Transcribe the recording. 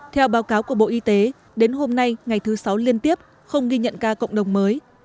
theo báo cáo của bộ y tế đến hôm nay ngày thứ sáu liên tiếp không ghi nhận ca cộng đồng mới